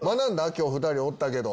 今日２人おったけど。